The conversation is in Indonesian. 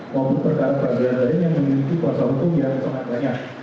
maupun perkara peradilan tadi yang memiliki kuasa hukum yang sangat banyak